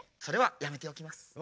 それはやめておきます。